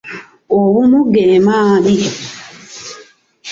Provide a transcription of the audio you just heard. Obumu ge maanyi.